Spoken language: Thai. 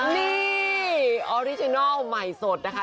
นี่ออริจินัลใหม่สดนะคะ